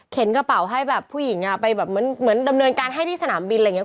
เข็นกระเป๋าให้ผู้หญิงไปดำเนินการให้ที่สนามบินอะไรอย่างนี้